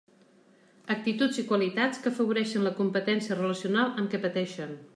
Actituds i qualitats que afavoreixen la competència relacional amb què pateixen.